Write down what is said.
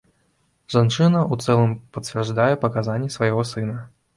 Жанчына ў цэлым пацвярджае паказанні свайго сына.